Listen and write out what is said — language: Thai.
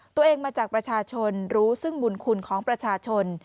ตัวเองมาจากประชาชนรู้ซึ่งบุญคุณของประชาชน